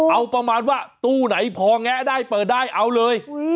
เอาประมาณว่าตู้ไหนพอแงะได้เปิดได้เอาเลย